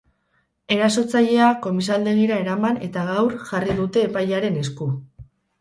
Erasotzailea komisaldegira eraman eta gaur jarri dute epailearen esku.